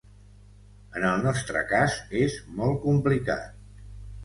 En el nostre cas, és molt complicat.